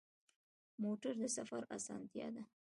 موټر د سفر اسانتیا ده.